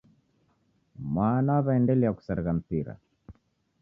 Mwana waw'aendelia kusarigha mpira.